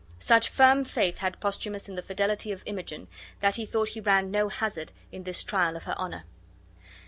Such firm faith had Posthumus in the fidelity of Imogen that he thought he ran no hazard in this trial of her honor.